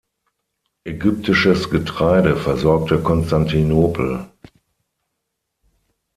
Ägyptisches Getreide versorgte Konstantinopel.